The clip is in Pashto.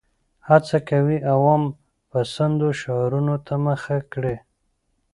هڅه کوي عوام پسندو شعارونو ته مخه کړي.